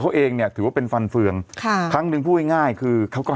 ทำงานครบ๒๐ปีได้เงินชดเฉยเลิกจ้างไม่น้อยกว่า๔๐๐วัน